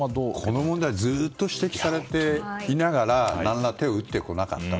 この問題ずっと指摘されながら手を打ってこなかった。